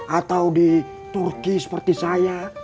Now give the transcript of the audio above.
atau di turki seperti saya